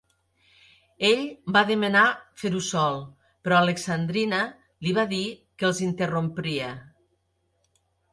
Ell va demanar fer-ho sol, però Alexandrina li va dir que els interrompria.